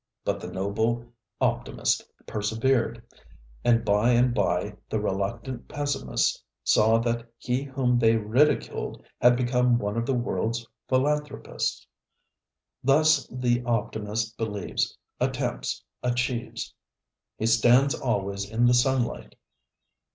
But the noble optimist persevered, and by and by the reluctant pessimists saw that he whom they ridiculed had become one of the worldŌĆÖs philanthropists. Thus the optimist believes, attempts, achieves. He stands always in the sunlight.